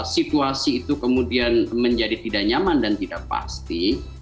situasi itu kemudian menjadi tidak nyaman dan tidak pasti